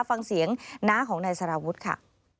ฟังเสียงน้าของนายสารวุฒิค่ะ